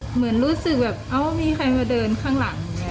เหมือนรู้สึกแบบเอ้ามีใครมาเดินข้างหลัง